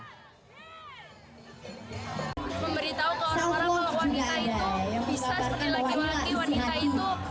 memberitahu ke orang orang bahwa wanita itu bisa seperti laki laki